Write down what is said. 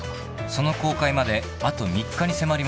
［その公開まであと３日に迫りました］